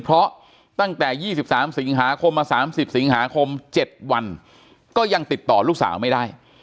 เพราะตั้งแต่๒๓สิงหาคมมา๓๐สิงหาคม๗วันก็ยังติดต่อลูกสาวไม่ได้